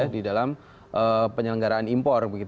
di dalam penyelenggaraan impor